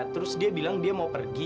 terus dia bilang dia mau pergi